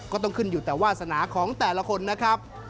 ก็ต้องขึ้นอยู่แต่วาสนาของแต่ละคนนะครับ